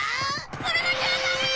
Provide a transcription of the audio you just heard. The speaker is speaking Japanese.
それだけはダメー！